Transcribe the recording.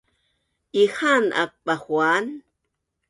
Ihaan aak Bahuan